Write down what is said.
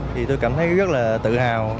thì tôi cảm thấy rất là tự hào